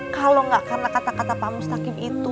kalau nggak karena kata kata pak mustakib itu